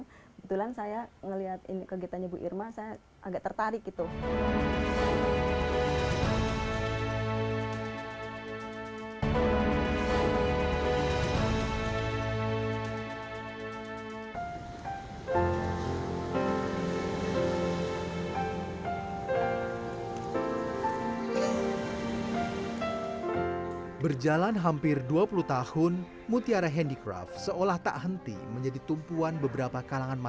kebetulan saya melihat kegiatannya bu irma